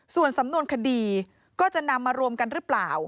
ส่วนสำนวนคดีก็จะนำมารวมกันหรือเปล่า